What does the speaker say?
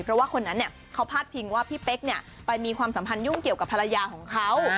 เพราะว่าคนนั้นเขาพาดพิงว่าพี่เป๊กไปมีความสัมพันธ์ยุ่งเกี่ยวกับภรรยาของเขา